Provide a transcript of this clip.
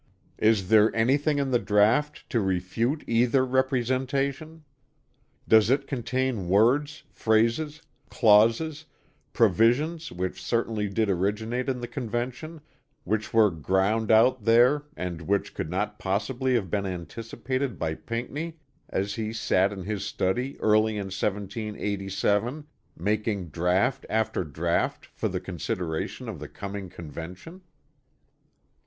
Is there anything in the draught to refute either representation? Does it contain words, phrases, clauses, provisions which certainly did originate in the Convention; which were ground out there, and which could not possibly have been anticipated by Pinckney as he sat in his study early in 1787 making draught after draught for the consideration of the coming Convention?